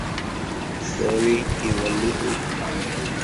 Sorry, কি বললি তুই?